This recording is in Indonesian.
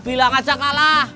bila ngajak kalah